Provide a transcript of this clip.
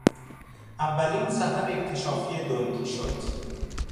اولین سفر اکتشافی دن کیشوت